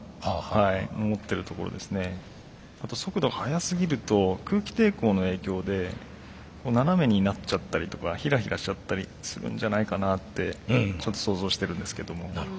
あと速度が速すぎると空気抵抗の影響で斜めになっちゃったりとかヒラヒラしちゃったりするんじゃないかなってちょっと想像してるんですけども。